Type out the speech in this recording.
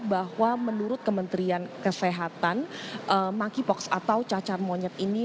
bahwa menurut kementerian kesehatan monkeypox atau cacar monyet ini